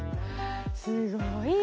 すごいね。